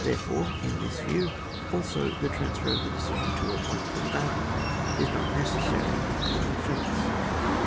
Therefore, in this view, also, the transfer of the decision to a point further back is not necessary for the de fence.